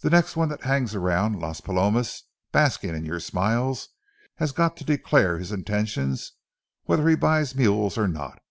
The next one that hangs around Las Palomas, basking in your smiles, has got to declare his intentions whether he buys mules or not.